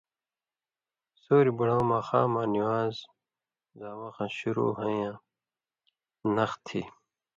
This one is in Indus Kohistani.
سُوریۡ بُڑؤں ماخاماں نِوان٘زاں وخ شُروع ہُوئیں نخ تھی۔